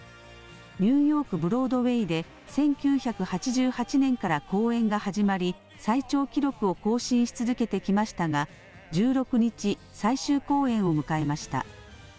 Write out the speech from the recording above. ニューヨーク・ブロードウェイで１９８８年から公演が始まり、最長記録を更新し続けてきましたが、１６日、最終公演を迎えました。